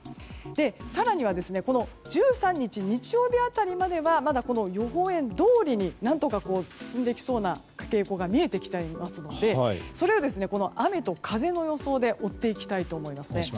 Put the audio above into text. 更には１３日、日曜日辺りまでは予報円どおりに何とか進んできそうな傾向が見えてきていますのでそれを、雨と風の予想で追っていきたいと思います。